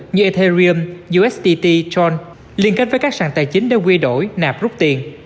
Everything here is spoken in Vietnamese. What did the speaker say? như ethereum usdt tron liên kết với các sàn tài chính để quy đổi nạp rút tiền